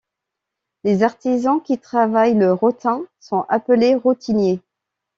Les artisans qui travaillent le rotin sont appelés rotiniers.